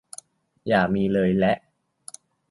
อย่ามีเลย ! และ